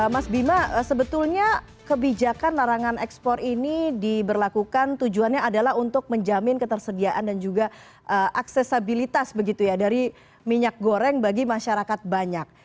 mas bima sebetulnya kebijakan larangan ekspor ini diberlakukan tujuannya adalah untuk menjamin ketersediaan dan juga aksesabilitas begitu ya dari minyak goreng bagi masyarakat banyak